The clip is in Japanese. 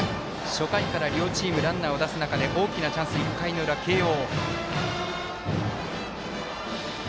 初回から両チーム、ランナーを出す中で大きなチャンス、１回の裏、慶応。